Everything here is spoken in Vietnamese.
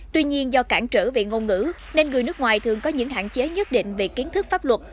tuy nhiên do cản trở về ngôn ngữ nên người nước ngoài thường có những hạn chế nhất định về kiến thức pháp luật